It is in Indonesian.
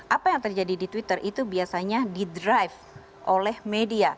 apa yang terjadi di twitter itu biasanya di drive oleh media